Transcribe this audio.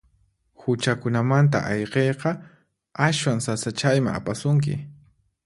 Huchakunamanta ayqiyqa aswan sasachayman apasunki.